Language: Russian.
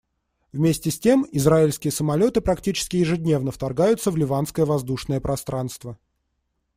Вместе с тем, израильские самолеты практически ежедневно вторгаются в ливанское воздушное пространство.